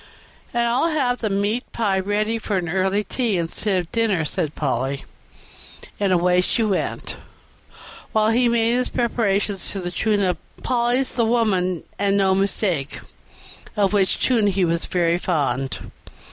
"And I'll have the meat pie ready for an early tea instead of for dinner," said Polly; and away she went, while he made his preparations to the tune of "Polly's the woman and no mistake", of which tune he was very fond.